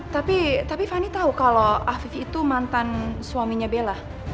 tapi fani tahu kalau afif itu mantan suaminya bella